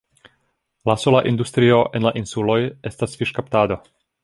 La sola industrio en la insuloj estas fiŝkaptado.